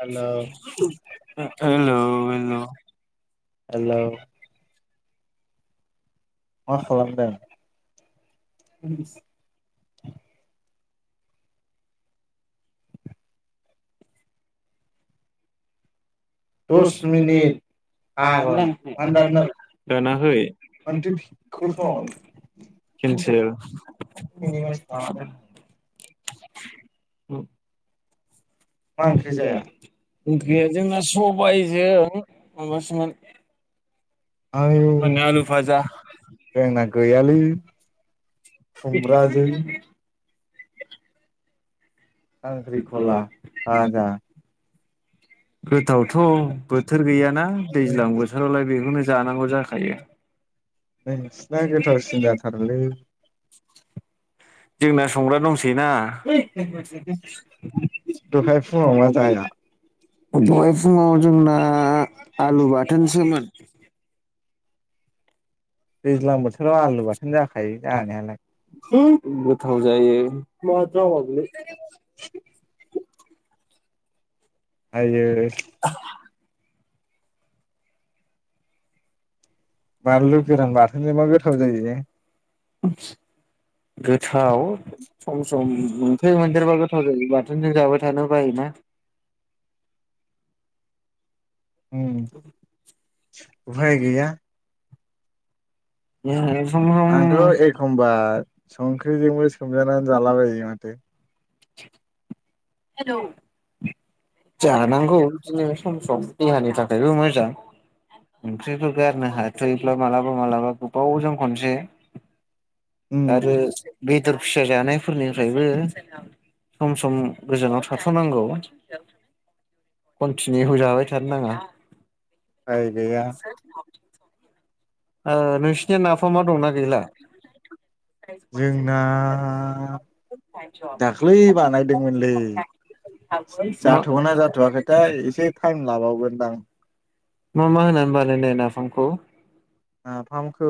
हेल' hello hello hello मा खालामदों? [inaudible] दस मिनिट फाग्ला मानो दाननो [unintelligible] दानाखै मानोथो कल खालाम केनसेल मा [unintelligible] मा ओंख्रि जाया? ओंख्रिया जोंना सबायजों माबासोमोन माने [unintelligible] आलु फाजा जोंना गैयालै खुमब्राजों [unintelligible] खांख्रिख'ला भाजा गोथावथ' बोथोर गैयाना दैज्लां नोंसिना बोथोरावलाय बेखौनो जानांगौ जाखायो। गोथावसिन जाथारोलै जोंना संग्रा दंसै ना‌ दहाय फुङाव मा जाया [unintelligible] दहाय फुङाव जोंना आलु बाथोनसोमोन। दैज्लां बोथोराव आलु बाथोन जाखायो जानायालाय [unintelligible] साव‌जायो [unintelligible] आयै बानलु [unintelligible] गोरान बाथोनजों मा गोथाव जायो। गोथाव सम सम मोनफै मोनदेरबा गोथ जायो बाथोनजों जाबाय थानो बायोना उम उफाय गैया [unintelligible] आंथ' सम एखमबा संख्रिजोंबो सोमजानानै जाला बायो माथो। जानांगौ बिदिनो सम सम। देहानि थाखायबो मोजां। ओंख्रिफोर गारनो हाथ'योब्ला मालाबा मालाबा गोबावजों खनसेै उम आरो बेदर फिसा जानायफोरनिफ्रायबो सम सम गोजानाव थाथ'नांगौ कन्टिनिउ होजाबाय थानो नाङा। फाय गैया नोंसिरनि नाफामा दंना गैला? जोंना दाख्लै बानायदोंमोनलै। मा मा जाथ'गोना जाथ'वाखैथाय एसे टाइम लाबावगोनदां। मा मा होननानै बानायनाय नाफामखौ? नाफामखौ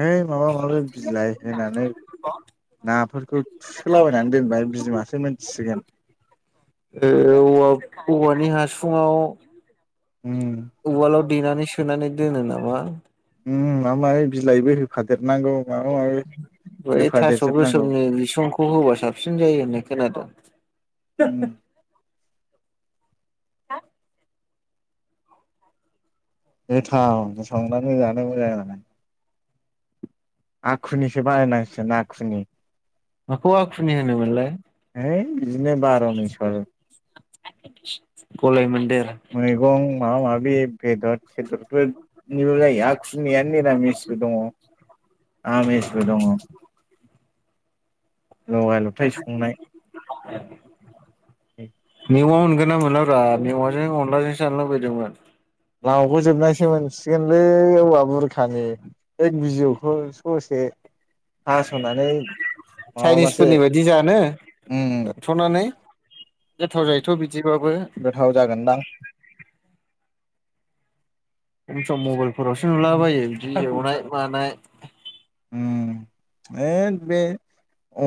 है माबा माबि बिलाइ होनानै नाफोरखौ थुसोलाबायनानै दोनबाय बिमासो मोनथिसिगोन। ओ औवानि हासुङाव उम उवालाव देनानै सोनानै दोनो नामा? उम माबा माबि बिलाइबो होफादेरनांगौ माबा माबि बै थास' होफादेरजोबनांगौ गोसोमनि बिसंखौ होबा साबसिन जायो होननाय खोनादोंं। [inaudible] हा गोथाव संनानै जानो मोजां आखुनिसो बानायनांसिगोन आखुनि माखौ आखुनि होनोमोनलाय? है बिदिनो बार' मिसल गलाय मोन्देर मैगं माबा माबि बेदर [unintelligible] फोरनिल' जायो आखुनियानो निरामिस दङ आमिसबो दङ। लगाय [unintelligible] लथाय संनाय ना मोनलाब्रा मेवाजों अनलाजों जानो लुबैदोंमोन। लावबो जोबनायसो मोनसिगोनलै औवा बुरखानि बै बिजौखौ खसे माबाबासो चाइनिसफोरनि बायदि जानो? उम दाथ'नानै गोथाव जायोथ' बिदिबाबो। गोथाव जागोनदां। बे सम मबाइलफोरावसो नुलाबायो बिदि एवनाय मानाय।। ओम होथ बे अ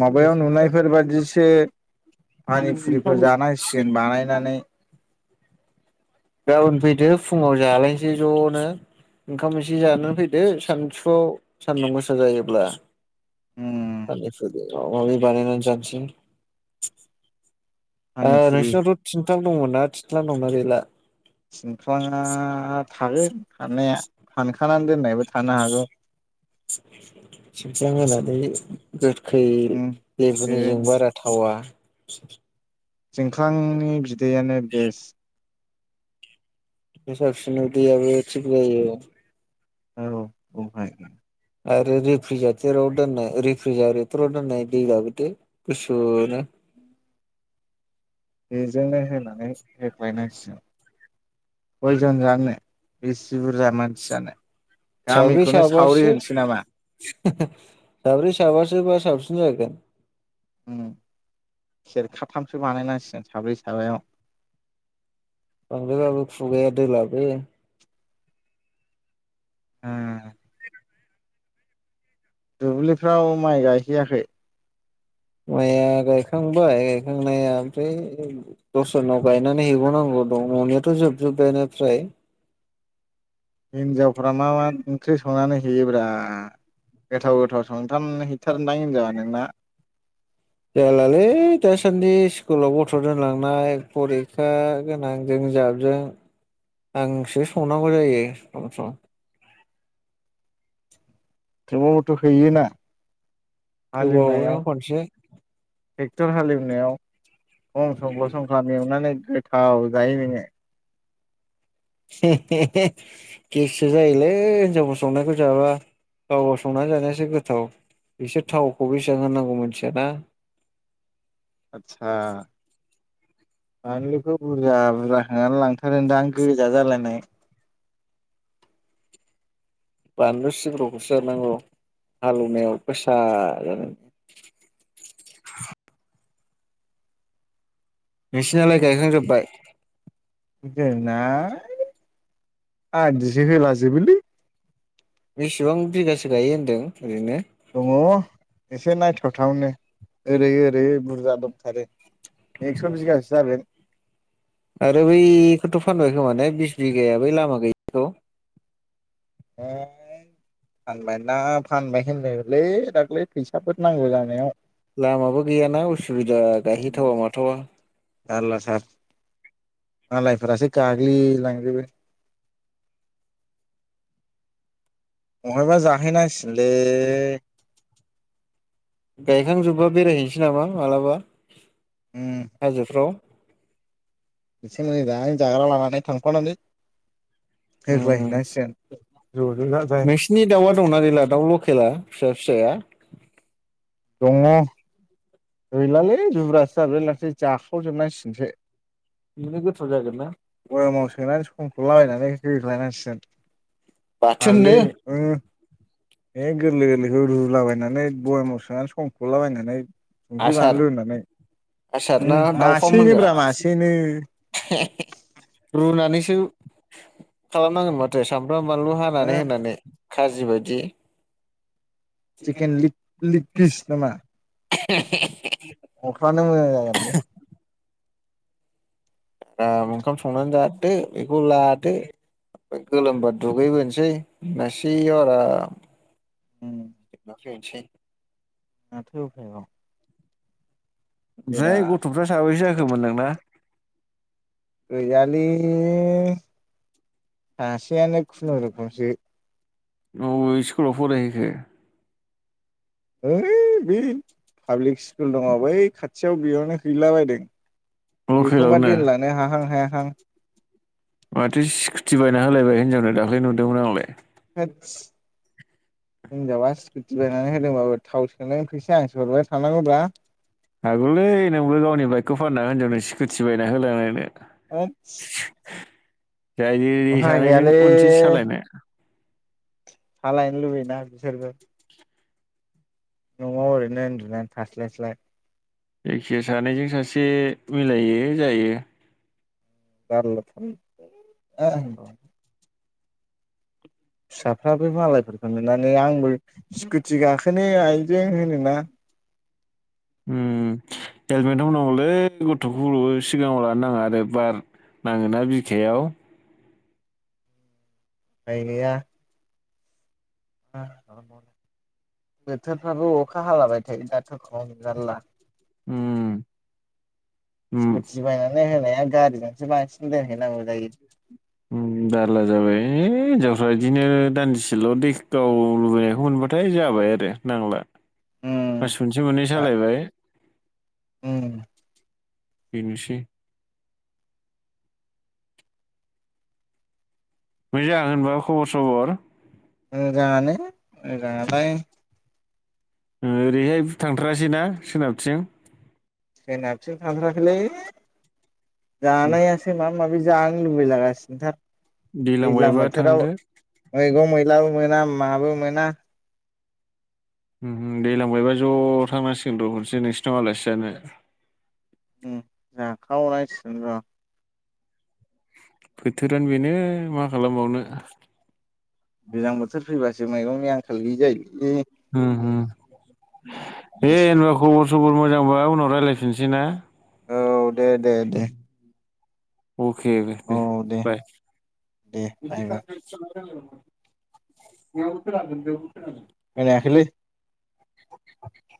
माबायाव नुनायफोर बादिसो पानिफुरिफोर जानांसिगोन बानायनानै [unintelligible] गाबोन फैदो फुङाव जालायसै ज'नो। ओंखाम एसे जानो फैदो सानसुआव सान्दुं गोसा जायोब्ला उम [unintelligible] बानायनानै जासै। ओ पानिफुरि नोंसिनावथ' थिनथ्लां दंमोन ना थिनथ्लां दंना गैला। थिंख्लाङा थागोन थानाया हानखानानै दोननायबो थानो हागौ। [unintelligible] खै उम बे बेजुनिजों बारा थावा। थिंख्लांनि बिदैयानो बेस्ट। बेसा बिसिनाव दैयाबो थिग जायो। औ ओमफ्राय आरो रिफ्रिजेटराव दोननाय रिफ्रिजेटराव दोननाय दै लाबोदो। गुसु नो। बेजोंनो होनानै होख्लायनांसिगोन। खयजन जानो बिसि बुरजा मानसि जानो। साब्रै गामिखौनो सावरि साबासो। होनोसै नामा साब्रै साबासो बा साबसिन जागोन। ओम सेरखाथामसो बानायनांसिगोन साब्रै साबायाव। बांद्रायबाबो खुगाया दोलाबो। ओ दुब्लिफ्राव माइ गायहैयाखै। माइया गायखांबाय गायखांनाया ओमफ्राय दस्रानाव गायनानै हैबावनांगौ दं न'नियाथ' जोबजोब्बायानो फ्राय। हिन्जावफ्रा मा मा ओंख्रि संनानै हैयोब्रा? गोथाव गोथाव संथारनानै हैथारो दां हिन्जावा नोंना। जालालै दासान्दि स्कुलाव गथ' दोनलांनाय फरिखा। गोनांजों जाबजों आंसो संनांगौ जायो सम सम। थेवबाबोथ' हैयोना। गोबावनो हालेवनायाव खनसे। ट्रेक्टर हालेवनायाव खम संख्ल्र' संख्ला एवनानै गोथाव जायो नोङो। हे हे हे गेससो जायोलै हिनजावफोर संनायखौ जाब्ला गावबाव संनानै जानायासो गोथाव। बिसोर थावखौ बेसेबां होनांगौ मिथियाना। [inaudible] आदसा बानलुखौ बुरजा बुरजा होनानै लां दां गोजा जालायनाय। बानलु सिब्र'खौसो जानांगौ हालौवनायाव गोसा जाना। नोंसिनालाय गायखांजोब्बाय [unintelligible] होला जोबोलै बेसेबां बिगासो गायो होनदों ओरैनो? दङ एसे नायथावथावनो ओरै ओरै बुरजा दंथारो। एकस' बिगासो जागोन। आरो बैखौथ' फानबाय खोमा ने बिस बिगाया बै लामा गैयिखौ? [inaudible] फानबाय ना फानबाय होननायलै दाख्लै फैसाफोर नांगौ जानायाव लामाबो गैयाना उसुबिदा गायहैथावा माथावा जारला सार मालायफोरासो गाग्लिलांजोबो? बहायबा जाहैनांसिगोनलै? गायखांजोबबा बेरायहैनोसै नामा? मालाबा उम हाजोफ्राव एसे मोजां जाग्रा लानानै थांफानानै होख्लायहैनांसिगोन ज' ज' जाजाय नोंसिनि दाउआ दंना गैला दाउल' खेला फिसा फिसाया दंङ गैलालै जुब्रासो जाजोबलायलांसै जाखावजोबनांसिनोसै। बेनो गोथाव जागोन ना। थलाबायनानै हो होख्लायनांसिगोन बाथोननो हालदै बे गोरलै गोरलैखौ रुलाबायनानै बयमाव सोानै संख'लाबायनानै संख्रि आसार बानलु होननानै आसार ना दाउफाम मासेनो होनगोन ब्रा मासेनो रुनानैसो खालामनांगोन माथो? सामब्राम बानलु होनानै ओ होनानै खाजि बायदि? चिकेन लिग लिग पिस नामा? ए न'फ्रानो मोजां जागोन बेे। ग ओंखाम संनानै जादों बेखौ लादों। गोलोमबा दुगैबोनोसै होननायसेयाव आराम उम ना नाथ फै औ ओमफ्राय गथ'फ्रा साबैसे जाखोमोनलांना गोयालोय सासेयानो खुनुरुखुमसो? बबे स्कुलाव फरायहैखो? हैओइ बे पाब्लिक स्कुल दंङ बै खाथियाव बेयावनो हैला बायदों। बेखौ मा लकेलावनो दोनलांनो हाहां हायाहां? माथो स्कुटि बायना होलायबाय हिनजावनो दाख्लै नुदोंमोन आंलाय? आ हिनजावा स्कुटि बायनानै होदोंबाबो थाव सोंनो फैयसा आं सो हरबाय थानांगौव रा। हागौलै नोंबो गावनि बाइकखौ फानना हिनजावनो स्कुटि बायना होलायनो? द जायो सानैजों गैयालै खनसे सालायनाय सालायनो लुबैना बिसोरबो न'आव ओरैनो उन्दुनानै थास्लायस्लाय जायखिया सानैजों सासे मिलायो जायो। बारल थ' फिसाफ्राबो मालायफोरखौ नुनानै आंबो स्कुटि गाखोनोआइजों होनोना हेलमेटाव नांगौलै गथ'खौ सिगांङाव लानो नांङा। आरो बार नांङोना बिखायाव गायनायया खालाम बोथोरफ्राबो अखा हालाबाय थायो दाथखाव नुजारला उम उम स्कुटि बायनानै होनाया गारिजोंसो बांसिन दोनहैनांगौ जायो। बारला जाबाय हिनजावफ्रा बिदिनो दान्दिसेल' दै गाव लुबैनायखौ मोनबाथ'। नाथाय जाबाय आरो नांला। उम मास मोनसे मोननै दा सालायबाय उम बेनोसै। मोजां होनबा खबर सबर? मोजांङानो मोजांङालाय। ओरैहाय बु थांथारासैना सोनाबथिं? सोनाबथिं थांथाखैलै जानायासो माबा माबि जानो लुबैलाागासिनो थार। दैलांबायबा थांदो। मैगं मैलाबो मोना माबो मोना। उम उम दैलांबायबा ज' थांनांसिगोन र' खनसे नोंसिनाव आलासि जानो। उम जाखावनांसिगोन र'। बोथोरानो बेनो मा खालामबावनो। गोजां बोथोर फैबासो मैगंनि आंखाल गैयि जायोलै। उम उम दे होनबा खबर सबर मोजांबा उनाव रायज्लायफिननोसै ना? औ दे दे दे। अके बाय औ दे बाय दे बाय। नायबा खोनायाखैलै [unintelligible] [unintelligible]